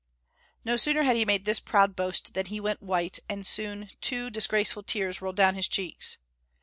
No sooner had he made this proud boast than he went white, and soon two disgraceful tears rolled down his cheeks.